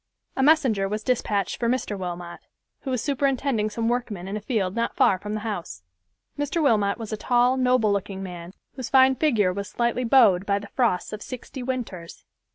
A messenger was dispatched for Mr. Wilmot, who was superintending some workmen in a field not far from the house. Mr. Wilmot was a tall, noble looking man, whose fine figure was slightly bowed by the frosts of sixty winters.